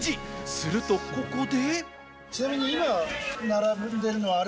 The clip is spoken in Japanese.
するとここで。